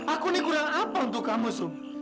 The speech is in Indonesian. aku ini kurang apa untuk kamu sum